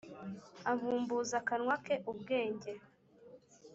abumbuza akanwa ke ubwenge,